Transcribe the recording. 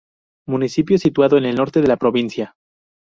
Municipio situado en el norte de la provincia.